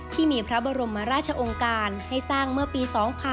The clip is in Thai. ที่มีพระบรมราชองค์การให้สร้างเมื่อปี๒๕๕๙